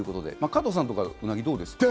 加藤さん、うなぎどうですか？